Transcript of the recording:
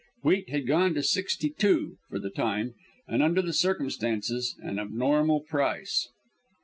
Wheat had gone to sixty two for the time, and under the circumstances, an abnormal price.